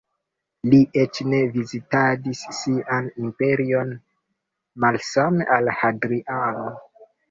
Li eĉ ne vizitadis sian imperion malsame al Hadriano.